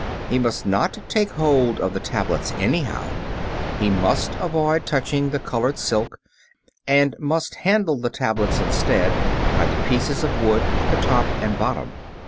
He must not take hold of the tablets anyhow, he must avoid touching the colored silk, and must handle the tablets instead by the pieces of wood at the top and bottom.